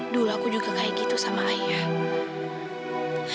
dulu aku juga kayak gitu sama ayah